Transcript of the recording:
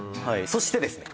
そしてですね